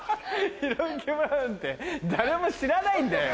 『ひろいき村』なんて誰も知らないんだよ！